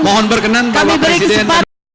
mohon berkenan bapak presiden